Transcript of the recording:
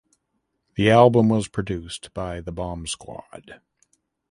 The album was produced by the Bomb Squad.